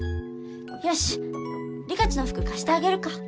よしリカチの服貸してあげるか。